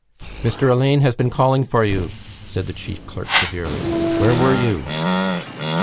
"Mr Alleyne has been calling for you," said the chief clerk severely. "Where were you?"